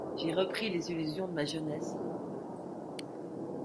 J'ai repris les illusions de ma jeunesse.